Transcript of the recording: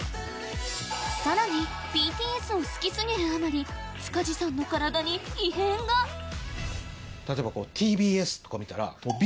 さらにＢＴＳを好き過ぎるあまり塚地さんの体に異変が例えば。